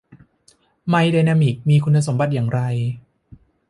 ไมค์ไดนามิกมีคุณสมบัติอย่างไร